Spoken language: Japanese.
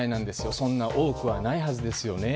そんな多くはないはずですよね。